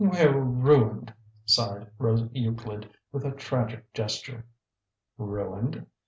"We're ruined!" sighed Rose Euclid with a tragic gesture. "Ruined?"